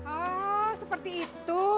oh seperti itu